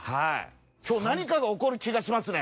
今日何かが起こる気がしますね。